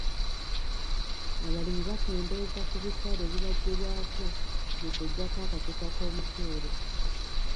Abalimi bakendezza ku bisale ebibaggyibwako mu kuggyako akakuta k'omuceere.